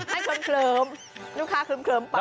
ให้เคิมเคิมลูกค้าเคิมเคิมไป